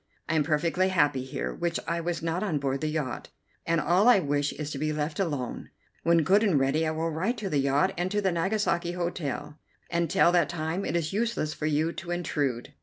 I am perfectly happy here, which I was not on board the yacht, and all I wish is to be left alone. When good and ready I will write to the yacht and to the Nagasaki Hotel. Until that time it is useless for you to intrude."